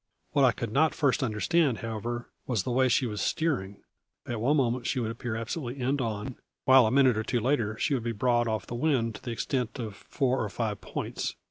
What I could not at first understand, however, was the way she was steering; at one moment she would appear absolutely end on, while a minute or two later she would be broad off the wind, to the extent of four or five points.